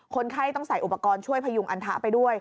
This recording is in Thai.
คนไข้ต้องใส่อุปกรณ์ช่วยพยุงอันทะไปด้วย